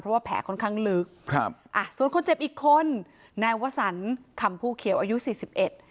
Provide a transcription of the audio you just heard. เพราะว่าแผลค่อนข้างลึกครับอ่ะส่วนคนเจ็บอีกคนนายวสันคำภูเขียวอายุสี่สิบเอ็ด